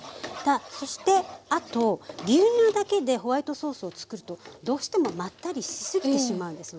そしてあと牛乳だけでホワイトソースをつくるとどうしてもまったりしすぎてしまうんですね。